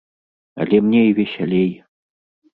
Але мне і весялей!